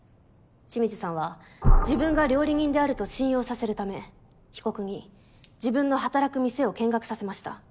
清水さんは自分が料理人であると信用させるため被告に自分の働く店を見学させました。